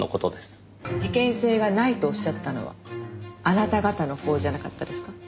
事件性がないとおっしゃったのはあなた方のほうじゃなかったですか？